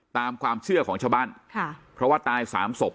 ตามความเชื่อของชาวบ้านค่ะเพราะว่าตายสามศพ